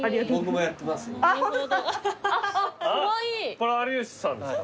これ有吉さんですか？